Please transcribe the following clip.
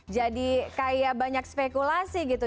jadi kayak banyak spekulasi gitu